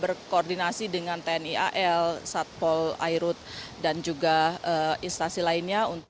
berkoordinasi dengan tni al satpol airut dan juga instasi lainnya